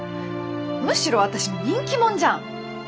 むしろ私人気者じゃん。